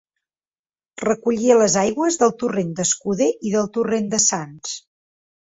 Recollia les aigües del torrent d'Escuder i del torrent de Sants.